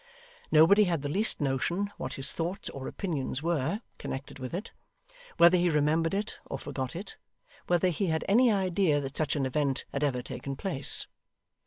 Nobody had the least notion what his thoughts or opinions were, connected with it; whether he remembered it or forgot it; whether he had any idea that such an event had ever taken place.